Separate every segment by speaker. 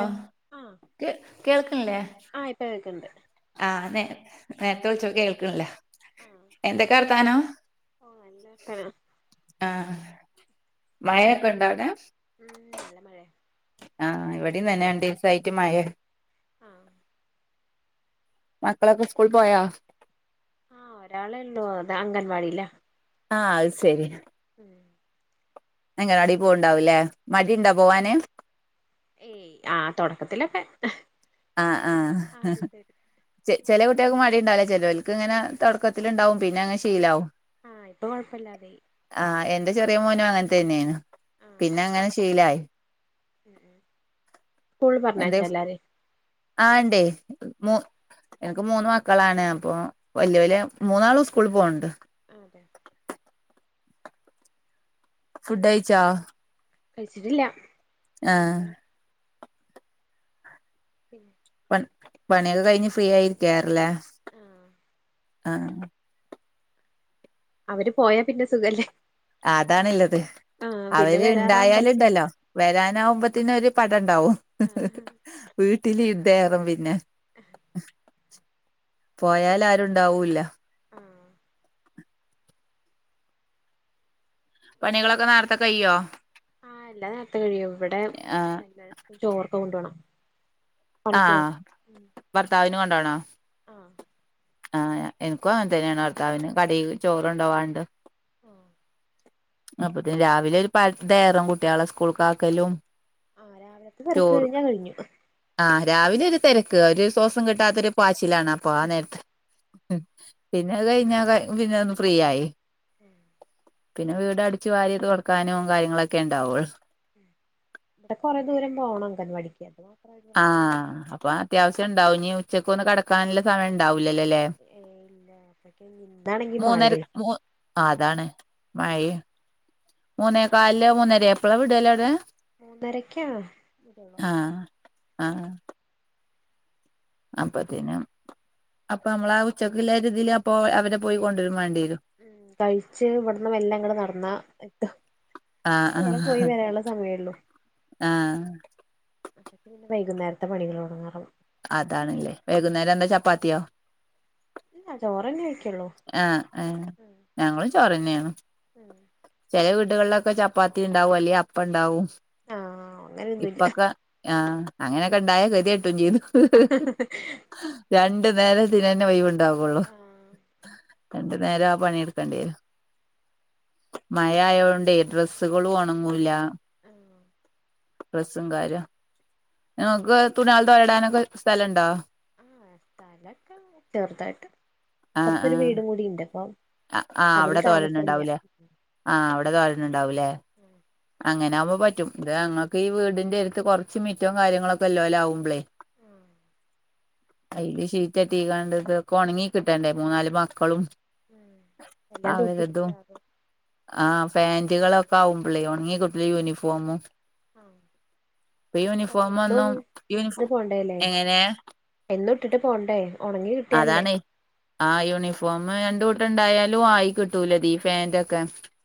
Speaker 1: Hello ആഹ്
Speaker 2: കേ കേൾക്കണില്ലേ
Speaker 1: ആഹ് ഇപ്പോ കേൾക്ക്ണ്ട്
Speaker 2: ആഹ് നേ നേരത്തെ വിളിച്ചോക്കെ കേൾക്കണില്ലേ
Speaker 1: ആഹ്
Speaker 2: എന്തൊക്കാർത്താനം
Speaker 1: ഓ നല്ലർത്താനം
Speaker 2: ആഹ് മഴൊക്കെ ഉണ്ടാവിടെ?
Speaker 1: ഉം നല്ല മഴയ
Speaker 2: ആ ഇവടീം തന്നെ രണ്ടിസായിട്ട് മഴ
Speaker 1: ആഹ്
Speaker 2: മക്കളൊക്കെ സ്കൂൾ പോയ
Speaker 1: ആഹ് ഒരാള ഉള്ളു അത് അംഗൻവാടില്ല
Speaker 2: ആഹ് അഹ് ശരി
Speaker 1: ഉം
Speaker 2: അംഗനവാടിയിൽ പോവൂണ്ടാവൂലേ മടി
Speaker 1: ഉം
Speaker 2: ഉണ്ടാ പോവാന്
Speaker 1: ഏയ് ആഹ് തുടക്കത്തിലൊക്കെ
Speaker 2: ആഹ് ആഹ് ചെ ചെല കുട്ട്യാക്ക് മടി ഇണ്ടാവുല്ല ചെലോൽക്ക് ഇങ്ങനെ തോടക്കത്തില്ണ്ടാവും പിന്നെ അങ്ങനെ ശീലാവും
Speaker 1: ആഹ് ഇപ്പൊ കൊഴപ്പല്ലാതെ ആയി
Speaker 2: ആഹ് എന്റെ ചെറിയ മോനും അങ്ങൻത്തെന്നെനു പിന്നെ അങ്ങനെ ശീലായി
Speaker 1: ഫൂള്ള് പർഞ്ഞെച്ചോ എല്ലാരിം
Speaker 2: ആണ്ടേ മോ എനിക്ക് മൂന്ന് മക്കളാണ് അപ്പൊ വെല്ല്യോല് മൂന്നാളും സ്കൂള്ള് പോണ്ട്
Speaker 1: അതെ
Speaker 2: ഫുഡ്
Speaker 1: ഉം
Speaker 2: കഴിച്ചോ?
Speaker 1: കഴിച്ചിട്ടില്ല ഇല്ല
Speaker 2: ആഹ്
Speaker 1: [unintelligible]
Speaker 2: പ പണിയോക്കെ കഴിഞ്ഞ് ഫ്രീ ആയി ഇരിക്കെക്കാരം ലെ
Speaker 1: ആഹ്
Speaker 2: ആഹ്
Speaker 1: അവര് പോയാ പിന്നെ സുഖല്ലേ?
Speaker 2: അതാണ്ള്ളത്
Speaker 1: ആഹ് പിന്നെ
Speaker 2: അവര് ഇണ്ടായാല്
Speaker 1: വരാറാവുമ്പഴേക്കും
Speaker 2: ഇണ്ടല്ലോ വരാനാവുമ്പത്തിന് ഒരു പടം ഇണ്ടാവും
Speaker 1: ആഹ്
Speaker 2: വീട്ടില് യുദ്ധേറും പിന്നെ പോയാല് ആരുണ്ടാവുല്ല
Speaker 1: ആഹ്
Speaker 2: പണികളൊക്കെ നേരത്തെ കയ്യോ?
Speaker 1: ആഹ് എല്ലാ നേരത്തെ കഴിയും ഇവടെ
Speaker 2: ആഹ്
Speaker 1: എല്ലാർക്കും ചോറൊക്കെ കൊണ്ടോണം പണിക്ക്
Speaker 2: ആഹ്
Speaker 1: പോണം ഉം
Speaker 2: ഭർത്താവിന് കൊണ്ടോണോ?
Speaker 1: ആഹ്
Speaker 2: ആഹ് ഇൻക്കും അങ്ങൻതന്നെണ് ഭർത്താവിന് കടെക്ക് ചോറ് കോണ്ടോവാണ്ട്
Speaker 1: ആഹ്
Speaker 2: അപ്പത്തിന് രാവിലെ ഒരു പടെക്കാരം കുട്ട്യാളെ സ്കൂൾക്കാക്കലും
Speaker 1: ആഹ് രാവിലത്തെ തെരക്ക്
Speaker 2: ചോറ്
Speaker 1: കഴിഞ്ഞാ കഴിഞ്ഞു
Speaker 2: ആഹ് രാവിലെ ഒരു തെരക്ക് ഒരു സോസം കിട്ടാത്ത ഒരു പാച്ചിലാണ് അപ്പൊ ആഹ് നേരത്ത് ഉം പിന്നെ അത് കഴിഞ്ഞാ പിന്നെ ഒന്ന് ഫ്രീ ആയി
Speaker 1: ഉം
Speaker 2: പിന്നെ വീട് അടിച്ചു വാരി തോടക്കാനും കാര്യങ്ങളൊക്കെ ഇണ്ടാവൂള്ളു
Speaker 1: ഇവടെ കോറെ ദൂരം പോകണം അങ്കൻവാടിക്ക് അപ്പോ
Speaker 2: ആഹ് അപ്പ അത്യാവശ്യം ഇണ്ടാവും ഇഞ് ഉച്ചക്കോന്ന് കെടക്കാനുള്ള സമയം ഇണ്ടാവില്ലല്ലോ ലെ?
Speaker 1: ഏ ഇല്ല അപ്പഴേക്ക് ഇന്നാണെങ്കി
Speaker 2: മൂന്നര
Speaker 1: മഴേ
Speaker 2: മു അതാണ് മഴ മൂന്നേ കാല് മുന്നേരെ എപ്പളാ വിടല് ഔടെ
Speaker 1: മൂന്നരക്കാണ്
Speaker 2: ആഹ് അപ്പത്തിനും അപ്പ നമ്മളാ ഉച്ചക്ക്ല്ലെ ഒരു ഇതില് അപ്പൊ അവരെ പോയി കൊണ്ടുരും വേണ്ടിരും
Speaker 1: ഉം കഴിച്ച് ഇവിട്ന്ന് വെല്ലങ്ങട്ട് നടന്നാ ത്തും
Speaker 2: ആഹ്
Speaker 1: [unintelligible] പോയി
Speaker 2: ആഹ്
Speaker 1: വരാൻള്ളെ സമയെള്ളു
Speaker 2: ആഹ്
Speaker 1: വൈകുന്നേരത്തെ പണി [unintelligible]
Speaker 2: അതാണല്ലേ വൈകുന്നേരം എന്താ ചപ്പാത്തിയോ?
Speaker 1: ഇല്ല ചോറന്നെ വെയ്ക്കോള്ളൂ
Speaker 2: ആഹ് ആഹ് ഞങ്ങളും ചോറന്നെണ് ചെല വീടുകളിലൊക്കെ ചപ്പാത്തി ഇണ്ടാവും അല്ലെ അപ്പണ്ടാവും
Speaker 1: ആഹ് അങ്ങനെയൊന്നുല്ല
Speaker 2: ഇപ്പൊക്കെ ആഹ് അങ്ങനെക്കെ ഇണ്ടായ കെതിട്ടും ചെയ്തു രണ്ടു നേരം ഇതിനെന്നെ ഒഴിവ്വ് ഇണ്ടാവോള്ളൂ
Speaker 1: ആഹ്
Speaker 2: രണ്ട് നേരം ആഹ് പണിട്ക്കേണ്ടിരും മഴ ആയോണ്ട് ഡ്രസ്സുകള് ഒണങ്ങൂല്ല
Speaker 1: ആഹ്
Speaker 2: ഡ്രസും കാര്യം നിങ്ങക്ക് തുണിയികള വരടാനൊക്കെ സ്ഥലംണ്ടോ?
Speaker 1: ആഹ് സ്ഥലൊക്കെ ചെറുതായിട്ട് അപ്പറത്തരു വീടും കൂടി ഉണ്ട്പ്പ
Speaker 2: ആവിടെ തോരണ ഉണ്ടാവൂലേ ആഹ് അവിടെ തോരന്ന ഉണ്ടാവൂല്ലേ-
Speaker 1: ആഹ്
Speaker 2: അങ്ങനൊവുമ്പോ പറ്റും ഇത് ഞങ്ങൾക്ക് ഈ വീടിന്റെ അടുത്ത് കുറച്ച് മിറ്റോ കാര്യങ്ങളൊക്കെല്ലോല ആവുമ്പളേ-
Speaker 1: ആഹ്
Speaker 2: അയില് ഷീറ്റട്ടി കണ്ട ഇത്ഒക്കെ ഉണങ്ങി കിട്ടണ്ടേ മൂന്നാല് മക്കളും
Speaker 1: ഉം എല്ലാം
Speaker 2: അവരതും
Speaker 1: തൂക്കിയിട്ടാകും
Speaker 2: ആഹ് പാൻറുകളൊക്കെ ആവും പള്ളിയു ഉണങ്ങി കുട്ടൽ യൂണിഫോമും-
Speaker 1: ആഹ്
Speaker 2: ഇപ്പൊ
Speaker 1: പോ എന്തും
Speaker 2: യൂണിഫോമൊന്നും യൂണിഫോ
Speaker 1: വിട്ടിട്ട് പോണ്ടല്ലേ-
Speaker 2: എങ്ങനെ
Speaker 1: എന്ന ഇട്ടിട്ട് പോണ്ടേ ഉണങ്ങി കിട്ടിയാലല്ലേ
Speaker 2: അതാണേ ആഹ് യൂണിഫോം രണ്ട് കൂട്ടം ഇണ്ടായാലും ആയി കിട്ടൂലതീ പാൻറ് ഒക്കെ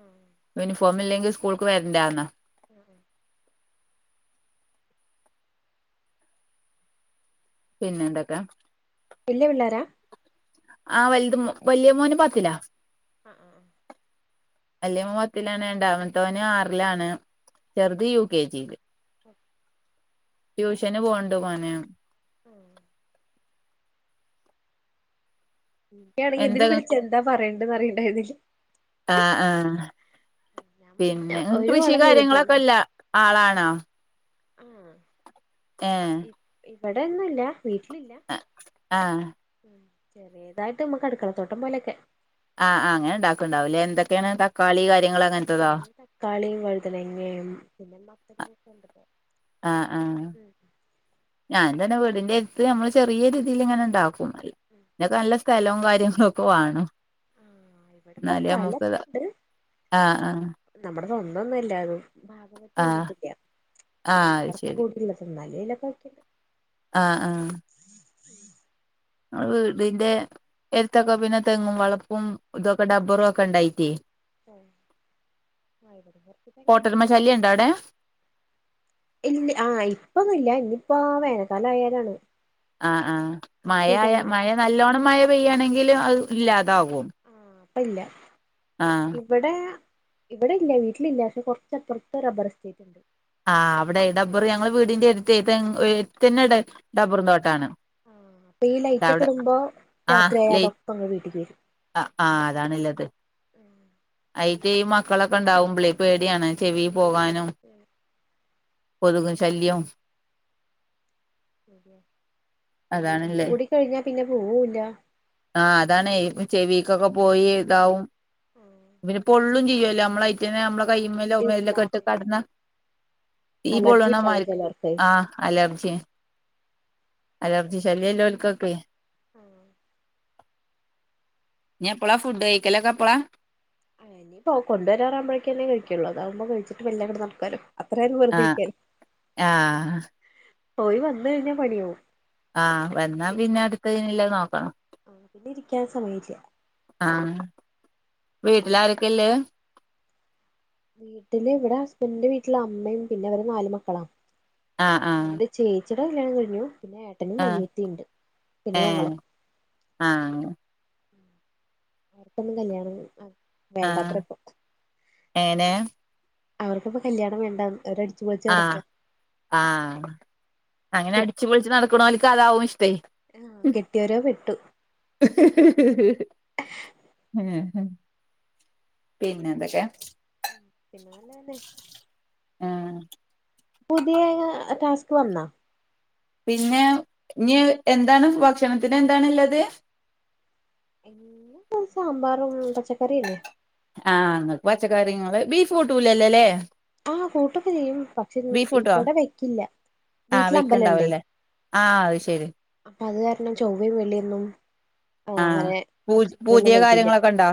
Speaker 1: ആഹ്-
Speaker 2: യൂണിഫോം ഇല്ലെങ്കിൽ സ്കൂൾക്ക് വരണ്ടന്ന-
Speaker 1: ഉം ഉം.
Speaker 2: പിന്നെ എന്തൊക്കെ?
Speaker 1: വലിയ പിള്ളേര?
Speaker 2: ആഹ് വലത വലിയ മോനെ പത്തില്ല-
Speaker 1: ആഹ് ഉം ഉം.
Speaker 2: അല്ല മൂവത്തിലാണ് രണ്ടാവത്തവന് ആറിലാണ്- ചെറുത് യു കെ ജിയില്-
Speaker 1: ഓഹ്
Speaker 2: ട്യൂഷന് പോകണ്ട മോന്?
Speaker 1: ആഹ്- എനാണെങ്കിൽ ഇതിൽ
Speaker 2: എന്താ
Speaker 1: വിളിച്ച് എന്താ പറയേണ്ടതന്ന് അറിയണ്ട ഇതില്
Speaker 2: ആഹ് ആഹ്
Speaker 1: ഞാൻ മുന്നേ
Speaker 2: പിന്നെ
Speaker 1: ഒരു
Speaker 2: കൃഷി
Speaker 1: കൊളം
Speaker 2: കാര്യങ്ങളൊക്കെ
Speaker 1: ചെയ്തിട്ടുള്ളൂ
Speaker 2: ഇല്ല ആളാണോ?
Speaker 1: ആഹ്-
Speaker 2: ഏഹ്-
Speaker 1: ഇവിടെൊന്നുമല്ല വീട്ടിലില്ല
Speaker 2: ആഹ്
Speaker 1: ഉം ചെറിയതായിട്ട് നമ്മുക്ക് അടുക്കളത്തോട്ടം പോലെയൊക്കെ-
Speaker 2: ആഹ് ആഹ് അങ്ങനെ ഉണ്ടാക്കുണ്ടാവൂില്ലേ എന്തൊക്കെയാണ് തക്കാളി കാര്യങ്ങൾ അങ്ങനത്തെതോ
Speaker 1: തകാളിയും വഴുതനങ്ങയും പിന്നെ മത്തങ്ങക്കെണ്ടലോ-
Speaker 2: ആഹ് ആഹ് ഞാൻ തന്നെ വീടിന്റെഅടുത്ത് ഞമ്മൾ ചെറിയ രീതിയിൽ ഇങ്ങനെ ഉണ്ടാവും. പിന്നെ നല്ല സ്ഥലവും കാര്യങ്ങള് ഒക്കെ വേണം.
Speaker 1: ആഹ് ഇവിടെപ്പ
Speaker 2: എന്നലെ
Speaker 1: സ്ഥലൊക്കെ
Speaker 2: നമ്മയ്ക്ക്താ
Speaker 1: ഉണ്ട്
Speaker 2: ആഹ് ആഹ്-
Speaker 1: നമ്മുടെ സ്വന്തന്നുല്ല അത്
Speaker 2: ആഹ് ആഹ് അത് ശരി
Speaker 1: [unintelligible]
Speaker 2: ആഹ് ആഹ് - നമ്മ വീടിന്റെ എടുത്തൊക്കെ പിന്നെ തെങ്ങും വളപ്പും- ഇതൊക്കെ ടബറും ഒക്കെ ഉണ്ടായിട്ടേ-
Speaker 1: ആയിക്കോട്ടെ പുറത്തേക്ക് നമ്മക്ക്
Speaker 2: കോട്ടരുമ
Speaker 1: ഉണ്ട്.
Speaker 2: ശല്യം ഉണ്ടോ അവിടെ
Speaker 1: ഇല്ല ആഹ് ഇപ്പൊന്നുമില്ല ഇന്നിപ്പോ വേനൽക്കാലം ആയാലാണ്.
Speaker 2: ആഹ് ആഹ്
Speaker 1: ആ
Speaker 2: മഴയ
Speaker 1: സീസണുള്ള
Speaker 2: മഴ നല്ലോണ്ണം മഴ പെയ്യാണെങ്കിലും അത് ഇല്ലാതാവും.
Speaker 1: ആഹ അപ്പ ഇല്ല.
Speaker 2: ആഹ്
Speaker 1: ഇവിടെ ഇവിടെ ഇല്ല വീട്ടിലില്ല പക്ഷെ കുറച്ചപ്പുറത്ത് റബറേസ്ഥേറ്റുണ്ട്.
Speaker 2: ആഹ് അവിടെ ഡബർ ഞങ്ങൾ വീടിന്റെ അടുത്ത് തന്നെ ഡബ്ബറും തോട്ടാണ്.
Speaker 1: ആഹ് അപ്പൊ ഈ ലൈറ്റ് ഒക്കെ
Speaker 2: അവിടെ
Speaker 1: ഇടുമ്പോ
Speaker 2: ആഹ്
Speaker 1: രാത്രിയായ
Speaker 2: ലൈ
Speaker 1: അതൊക്കെ വീട്ടക്ക് വരും.
Speaker 2: ആഹ് ആഹ് അതാണുള്ളത്. അയിറ്റ ഈ മക്കളൊക്കെ ഉണ്ടാവുമ്പേളേ പേടിയാണ് ചെവി പോകാനും.
Speaker 1: ഉം.
Speaker 2: കൊതുക് ശല്യം- അതാണല്ലേ
Speaker 1: ഇതൂടി കഴിഞ്ഞാ പിന്നെ പോവുല്ല.
Speaker 2: ആഹ് അതാണ് ചെവിക്കൊക്കെ പോയി താവും.
Speaker 1: ഉം
Speaker 2: പിന്നെ പൊള്ളും ചെയ്യൊല്ലോ അമ്മളെയ് റ്റേന്നമ്മളെ കൈമലോ മേലൊക്കെട്ട് കടന്ന തീ
Speaker 1: അലർജി ഉണ്ടാവും
Speaker 2: പൊളളണമാരിക്ക്
Speaker 1: ചിലർക്ക്
Speaker 2: ആഹ് അലർജി അലർജി ശല്യല്ലോൽക്കൊക്കെ
Speaker 1: ഉം
Speaker 2: ഇന്തെപ്പള ഫുഡ് കയ്ക്കലൊക്കെപ്പള?
Speaker 1: ഇനിയി പോ കൊണ്ടുവരാറാവുമ്പഴേക്കന്നേ കഴിക്കൊള്ളൂ അതാകുമ്പോ കഴിച്ചിട്ട് മെല്ലെങ്ങട്ട് നടക്കാലൊ അത്രയും
Speaker 2: ആഹ്
Speaker 1: വെറ്തിരിക്കാലോ
Speaker 2: ആഹ്
Speaker 1: ഓല് വന്നഴ്ഞ്ഞാ പണിയാവും.
Speaker 2: ആഹ് വന്നാ പിന്നെ അട്ത്തയ്നില്ലത് നോക്കണം.
Speaker 1: ഉം പിന്നെ ഇരിക്കാൻ സമയില്ല.
Speaker 2: ആഹ് വീട്ടിലാരെക്കെല്ലേ?
Speaker 1: വീട്ടില് ഇവടെ ഹസ്ബൻഡന്റെ വീട്ടില് അമ്മേം പിന്നെ ഇവര് നാല് മക്കളാ.
Speaker 2: ആഹ് ആഹ്
Speaker 1: ചേച്ചിടെ കല്യാണം കഴിഞ്ഞു പിന്നെ ഏ ട്ടനും
Speaker 2: ആഹ്
Speaker 1: അനിയെത്തിണ്ട് പിന്നെ
Speaker 2: ഏഹ്
Speaker 1: ഞങ്ങളും
Speaker 2: ആഹ്
Speaker 1: അവർക്കൊന്നും കല്യാണം ആഹ്
Speaker 2: ആഹ് ഏങ്ങനെ?
Speaker 1: അവർക്കൊക്കെ കല്യാണം വേണ്ടന്ന് അവരട്
Speaker 2: ആഹ് ആഹ് അങ്ങനെ അടിച്ച്പൊളിച്ച് നടക്ക്ണോല്ക്ക് അതാവും ഇഷ്ടേ
Speaker 1: ആഹ് കെട്ട്യൊരോ പെട്ടു.
Speaker 2: പിന്നെന്തെക്കെ?
Speaker 1: ഉം പിന്നെ നല്ലതെന്നെ.
Speaker 2: ആഹ്
Speaker 1: പുതിയേ ടാസ്ക് വന്നാ?
Speaker 2: പിന്നെ ഇഞ് എന്താണ് ഭക്ഷണത്തിനെന്താണ്ള്ളത്?
Speaker 1: ഇന്ന് സാമ്പാറും പച്ചക്കറിന്നെ.
Speaker 2: ആഹ് ഇങ്ങക്ക് പച്ചക്കറി ങ്ങള് ബീഫ് കൂട്ടൂലല്ലല്ലേ.
Speaker 1: ആഹ് കൂട്ടൊക്കെ ചെയ്യും. പ ക്ഷര്
Speaker 2: കൂട്ടോ
Speaker 1: ഇവടെ വെക്കില്ല
Speaker 2: ആഹ്
Speaker 1: വീട്ടിലമ്പലെണ്ടെയ്.
Speaker 2: വെക്ക്ണ്ടാവൂലല്ലേ ആഹ് അത് ശെരി
Speaker 1: അപ്പത് കാരണം ചൊവ്വെം വെള്ള്യൊന്നും ആഹ് അങ്ങനെ
Speaker 2: പൂ
Speaker 1: എർചി [unintelligible] ന്നും
Speaker 2: പൂതിയ
Speaker 1: കഴ്ക്കില.
Speaker 2: കാര്യങ്ങളൊക്കെ ഇണ്ടോ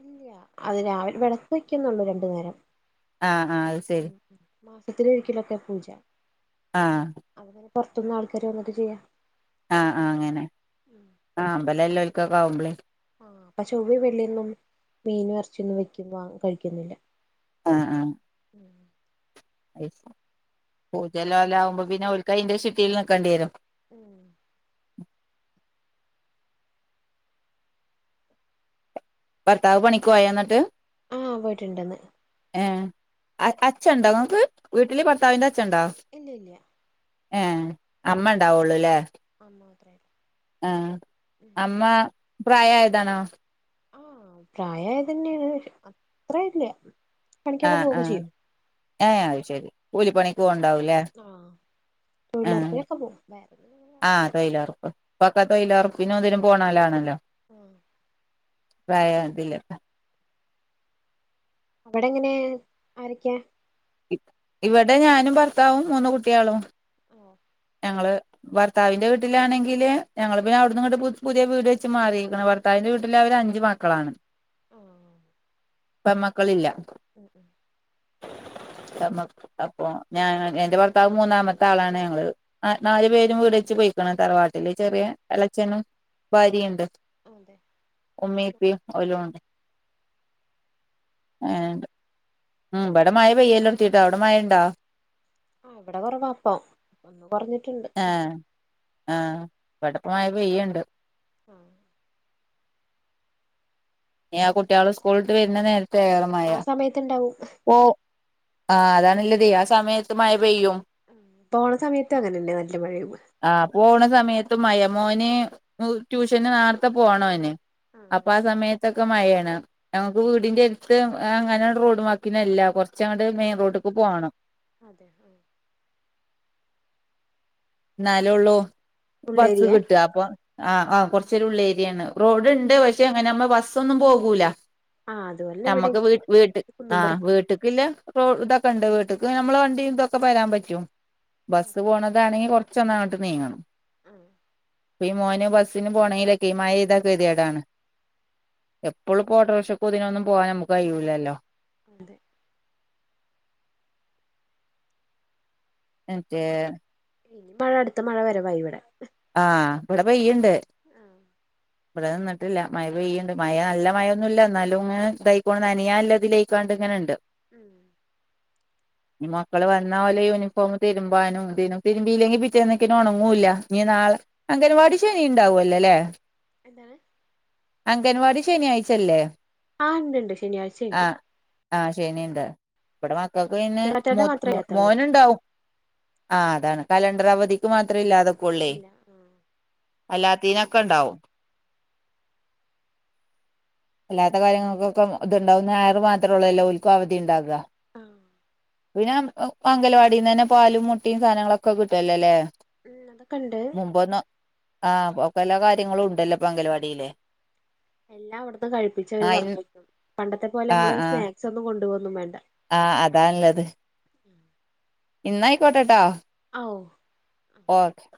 Speaker 1: ഇല്ല്യ അത് രാവിലെ വെളക്ക് വെക്ക്ന്നൊള്ളു രണ്ട് നേരം.
Speaker 2: ആഹ് ആഹ് അയ്
Speaker 1: ഉം ഉം മാസത്തിലൊരിക്കലൊക്കെ പൂജ.
Speaker 2: ആഹ്
Speaker 1: അ [unintelligible] പൊർത്ത്ന്ന് ആൾക്കാര് വന്ന്ട്ട് ചെയ്യ.
Speaker 2: ആഹ് ആഹ് അങ്ങനെ ആഹ് അമ്പലല്ലോൽക്കൊക്കാവുമ്പളേ
Speaker 1: പ ചൊവ്വെം വെള്ള്യന്നും മീനും എർച്ച്യൊന്നും വെക്കി വ കഴിക്കൊന്നുല്ല.
Speaker 2: ആഹ് ആഹ്
Speaker 1: ഉം
Speaker 2: അയ് ശെ പൂജല്ലോലാവുമ്പൊ പിന്നെ ഓൽക്കയ്ൻ്റെ ചിട്ടീല് നിക്കണ്ട്യേരും.
Speaker 1: ഉം
Speaker 2: ഭർത്താവ് പണിക്കോയ ന്ന്ട്ട്?
Speaker 1: ആഹ് പോയിട്ടിണ്ട്ന്ന്.
Speaker 2: ഏഹ് അ അച്ഛൻണ്ടൊങ്ങക്ക്? വീട്ട്ല് ഭർത്താവിന്റെ അച്ഛൻണ്ടോ?
Speaker 1: ഇല്ല ഇല്ല
Speaker 2: ഏഹ്
Speaker 1: ഉം
Speaker 2: അമ്മണ്ടാവൊള്ളുലേ.
Speaker 1: അമ്മ മാത്രേ
Speaker 2: ആഹ് അമ്മ പ്രായായതാണോ?
Speaker 1: ആഹ് പ്രായായതന്നേണ് അത്രേയില്ല
Speaker 2: ആഹ് ആഹ് ഏഹ് അയ്ശരി കൂലിപ്പണിക്ക് പോവ്ണ്ടാവുല്ലേ
Speaker 1: തൊയിലൊറപ്പിനൊക്കെ പോവും വേറെ പിന്നങ്ങനെ
Speaker 2: ആഹ് തൊയിലൊറപ്പ് ഇപ്പൊക്കെ തൊഴയിലൊറപ്പിനും ഇതിനും പോണോലാണല്ലോ
Speaker 1: ആഹ്
Speaker 2: പയേ ഇതില്
Speaker 1: അവിടെങ്ങനെ ആരൊക്കെയാ
Speaker 2: ഇ ഇവിടെ ഞാനും ഭർത്താവും മൂന്ന് കുട്ട്യാളും
Speaker 1: ആഹ്
Speaker 2: ഞങ്ങള് ഭർത്താവിന്റെ വീട്ടിലാണെങ്കില് ഞങ്ങള് പിന്നെ അവ്ട്ന്ന്ങ്ങട്ട് പു പുതിയ വീട് വെച്ച് മാറീക്ക്ണ് ഭർത്താവിന്റെ വീട്ടിലവരഞ്ച് മ ക്കളാണ്
Speaker 1: ആഹ്
Speaker 2: പെമ്മക്കളില്ല
Speaker 1: ഉം ഉം
Speaker 2: പെമ്മക്ക് അപ്പൊ ഞാ എന്റെ ഭർത്താവ് മൂന്നാമത്താളാണ് ഞങ്ങള് അ നാല് പേരും വീടെച്ച് പൊയ്ക്ക്ണ് തറവാട്ടില് ചെറിയേ എളച്ചനും ഭാര്യേണ്ട്
Speaker 1: ആഹ് അതെ
Speaker 2: ഉമ്മീം ഉപ്പീം ഓലൂണ്ട് അങ്ങനാണ്ട് ഉം ഇബടെ മയ പെയ്യലിർത്തീട്ടാ അവ്ടെ മയണ്ടാ
Speaker 1: ആഹ് ഇവടെ കൊറവാപ്പൊ ഒന്ന് കൊറഞ്ഞ്ട്ട്ണ്ട്
Speaker 2: ഏഹ് ഏഹ് എടക്ക് മയ പെയ്യ്ണ്ട്
Speaker 1: ആഹ്
Speaker 2: ഇനി ആ കുട്ട്യാള് സ്കൂള്ട്ട് വര്ണ നേരത്ത് പെയ്യണം
Speaker 1: ആ സമയത്ത്ണ്ടാവും
Speaker 2: ഓഹ് ആഹ് അതാണ്ള്ളത് ആ സമയത്ത് മയ പെയ്യും
Speaker 1: പോണ സമയത്ത് അങ്ങനന്നെ നല്ല മഴയും
Speaker 2: ആന് പോണ സമയത്തും മയ മോന് ട്യൂഷന് നാർത്തെ പോണോന്
Speaker 1: ആഹ്
Speaker 2: അപ്പാ സമയത്തൊക്കെ മയേണ് ഞങ്ങക്ക് വീടിന്റെ എടുത്ത് അങ്ങനെ റോഡ് വക്കിന്നല്ല കുറച്ചങ്ങട്ട് മെയിൻ റോഡ്ക്ക് പോണം
Speaker 1: അതെ ആ
Speaker 2: ഇന്നാലുള്ളു ബസ്സ്
Speaker 1: ഉള്ളേരിയ
Speaker 2: കിട്ട അപ്പൊ ആ ആ കൊറച്ചൊരു ഉള്ളേരിയാണ് റോഡ്ണ്ട് പക്ഷെ അങ്ങനെ നമ്മ ബസ്സൊന്നും പോകൂല
Speaker 1: ആഹ് അതുപോലെ ഇവിടെയും
Speaker 2: നമ്മക്ക് വീ വീട്ട് ആ
Speaker 1: കുന്നുംപുറം
Speaker 2: വീട്ട്ക്കില്ല റോ ഇതൊക്കെണ്ട് വീട്ട്ക്ക് നമ്മളെ വണ്ടി ഇതൊക്കെ വരാൻ പറ്റും ബസ്സ് പോണതാണെങ്കിൽ കു റച്ചൊന്ന് അങ്ങട്ട് നീങ്ങണം
Speaker 1: ഉം
Speaker 2: ഇപ്പ ഈ മോന് ബസ്സിന് പോണെങ്കിലൊക്കെ ഈ മയ പെയ്താ ഗെതിയേടാണ് എപ്പോളും ഇപ്പോ ഓട്ടോറ്ക്ഷക്ക് ഇതിനൊന്നും പോവാൻ നമുക്ക് കഴൂല്ലല്ലോ
Speaker 1: അതെ
Speaker 2: എന്നിറ്റ്
Speaker 1: ഇനി മഴ അടുത്ത മഴ വരവായി ഇവിടെ
Speaker 2: ആഹ് ഇവിടെ പെയ്യ്ണ്ട്
Speaker 1: ആഹ്
Speaker 2: ഇവിടെ നിന്നിട്ടില്ല മഴ പെയ്യ്ണ്ട് മഴ നല്ല മഴൊന്നുല്ല എന്നാലും ഇങ്ങനെ ഇതായിക്കോണ്ട് നനയാള്ളത് ഇതിലേ ക്കാണ്ട് ഇങ്ങനെണ്ട്
Speaker 1: ഉം
Speaker 2: ഇനി മക്കള് വന്നാ ഓലെ യൂണിഫോം തിരുമ്പാനും ഇതിനും തിരുമ്പിയില്ലെങ്കിൽ പിറ്റേന്ന്ക്ക്ണ് ഉണങ്ങൂല്ല ഇനി നാളെ അംഗനവാടി ശനി ഇണ്ടാവല്ലോല്ലേ
Speaker 1: എന്താണ്
Speaker 2: അംഗൻവാടി ശനിയാഴ്ചല്ലേ
Speaker 1: ആഹ ഇണ്ട് ഇണ്ട് ശനിയാഴ്ചയിണ്ട്
Speaker 2: ആഹ് ആഹ് ശനിണ്ട് ഇവിടെ മക്കക്ക് പിന്നെ
Speaker 1: മാത്രേ ഇല്ലാത്തുള്ളൂ
Speaker 2: മോന്ണ്ടാവും ആഹ അതാണ് കലണ്ടർ അവധിക്ക് മാത്രേ ഇല്ലാതെക്കുള്ളേ
Speaker 1: ഇല്ല ആഹ്
Speaker 2: അല്ലാത്തീനൊക്കെ ഉണ്ടാവും അല്ലാത്ത കാര്യങ്ങൾക്കൊക്കെ ഇതുണ്ടാവു ഞായറ് മാത്രമുള്ളല്ലോ ഓൽക്കും അവധി ഇണ്ടാവാ
Speaker 1: ആഹ്
Speaker 2: പിന്നെ അംഗലവാടിന്ന് തന്നെ പാലും മുട്ടിം സാധനങ്ങളൊക്കെ കിട്ടുവല്ലോല്ലേ
Speaker 1: ഉം അതൊക്കെണ്ട്
Speaker 2: മുമ്പ് ഒന്ന് ആഹ പല കാര്യങ്ങളും ഉണ്ടല്ലോപ്പ അംഗൽവാടിയില്
Speaker 1: എല്ലാം അവിടുന്ന് കഴിപ്പിച്ചവര്
Speaker 2: ആഹ് ഇൻ
Speaker 1: പറഞ്ഞയിക്കും പണ്ടത്തെ പോലെ
Speaker 2: ആഹ്
Speaker 1: നമ്മള്
Speaker 2: ആഹ്
Speaker 1: സ്നാക്സ് ഒന്നും കൊണ്ടുപോവോന്നും വേണ്ട
Speaker 2: ആഹ് അതാണ്ല്ലത് ഇന്നാ അയിക്കോട്ടെട്ടോ
Speaker 1: അഹ് ഒഹ
Speaker 2: ഓക്കെ